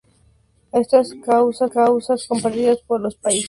A estas causas compartidas por los países de la región se añaden otras particulares.